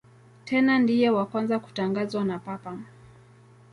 Tena ndiye wa kwanza kutangazwa na Papa.